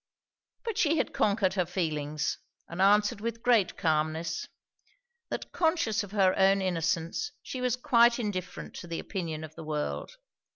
But she had conquered her feelings; and answered with great calmness 'That conscious of her own innocence, she was quite indifferent to the opinion of the world.